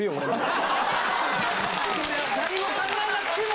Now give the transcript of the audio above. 何も考えなくても。